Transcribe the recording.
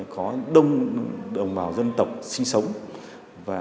có đông đồng bào dân tộc sinh hoạt tàu vận chuyển hep rare và tự tộc